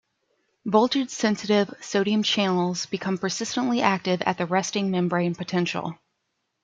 Voltage-sensitive sodium channels become persistently active at the resting membrane potential.